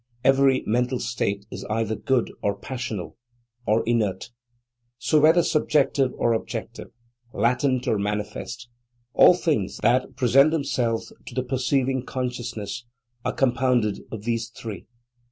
Every mental state is either good, or passional, or inert. So, whether subjective or objective, latent or manifest, all things that present themselves to the perceiving consciousness are compounded of these three.